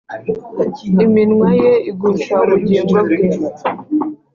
iminwa ye igusha ubugingo bwe.